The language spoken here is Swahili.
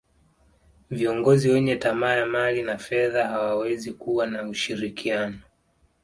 viongozi wenye tamaa ya mali na fedha hawawezi kuwa na ushirikiano